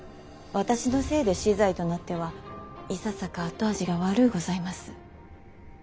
私のせいで死罪となってはいささか後味が悪うございます。